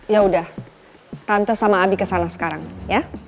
yaudah tante sama abi kesana sekarang ya